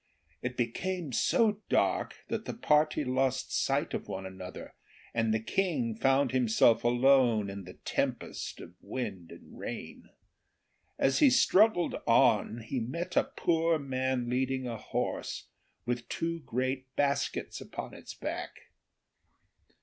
It became so dark that the party lost sight of one another, and the King found himself alone in the tempest of wind and rain. As he struggled on he met a poor man leading a horse with two great baskets upon its back.